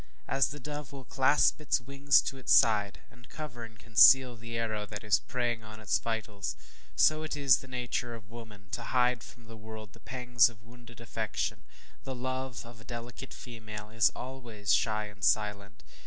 As the dove will clasp its wings to its side, and cover and conceal the arrow that is preying on its vitals so is it the nature of woman, to hide from the world the pangs of wounded affection. The love of a delicate female is always shy and silent.